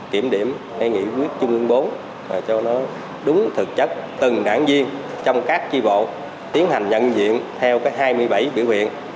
kiểm điểm nghị quyết chung ương bốn cho nó đúng thực chất từng đảng viên trong các chi bộ tiến hành nhận diện theo hai mươi bảy biểu viện